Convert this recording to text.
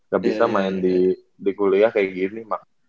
gak bisa main di kuliah kayak gini